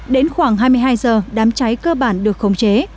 đến khoảng hai mươi hai giờ đám cháy cơ bản được khống chế